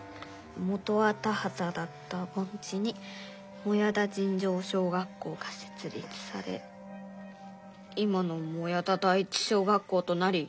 「元は田はただったぼん地に靄田尋常小学校がせつ立され今の靄田第一小学校となり」。